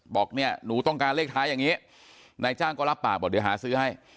บอกเนี่ยหนูต้องการเลขท้ายอย่างนี้นายจ้างก็รับปากบอกเดี๋ยวหาซื้อให้